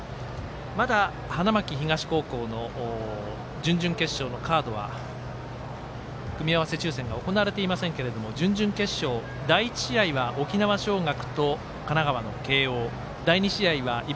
まだ花巻東高校の準々決勝のカードは組み合わせ抽せんが行われていませんけれども準々決勝第１試合は沖縄尚学と神奈川の慶応。